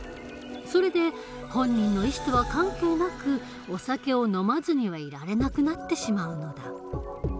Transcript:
それで本人の意思とは関係なくお酒を飲まずにはいられなくなってしまうのだ。